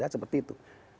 ya seperti itu